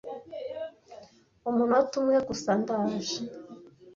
"Umunota umwe gusa. Ndaje."